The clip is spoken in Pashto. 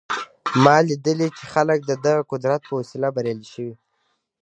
ما لیدلي چې خلک د دغه قدرت په وسیله بریالي شوي